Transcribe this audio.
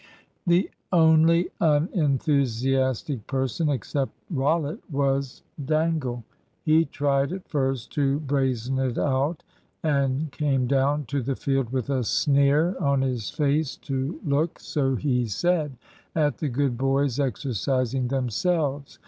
The only unenthusiastic person, except Rollitt, was Dangle. He tried at first to brazen it out, and came down to the field with a sneer on his face to look, so he said, "at the good boys exercising themselves."